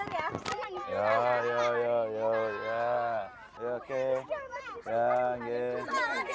udah banyak ya senang nih